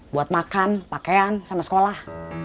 buat makan pakaian sama sekolah